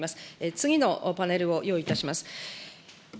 次のパネルを用意いたします。